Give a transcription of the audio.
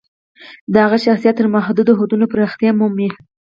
د هغه شخصیت تر نامحدودو حدونو پراختیا مومي.